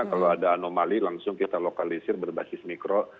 kalau ada anomali langsung kita lokalisir berbasis mikro